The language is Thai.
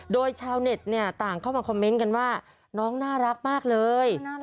โดยชาวเน็ตเนี่ยต่างเข้ามาคอมเมนต์กันว่าน้องน่ารักมากเลย